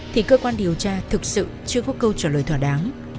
thì cơ quan điều tra thực sự chưa có câu trả lời thỏa đáng